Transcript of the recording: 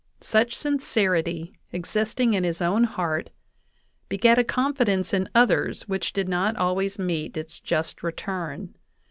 Such sincerity existing in his own heart, begat a confidence in others which did not always meet its just return.